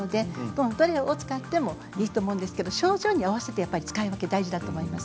どれを使ってもいいと思うんですけれど症状に合わせて使い分けが大事だと思います。